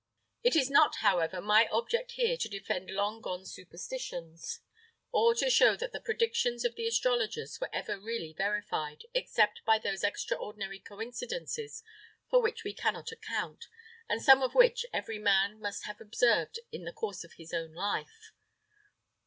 It is not, however, my object here to defend long gone superstitions, or to show that the predictions of the astrologers were ever really verified, except by those extraordinary coincidences for which we cannot account, and some of which every man must have observed in the course of his own life.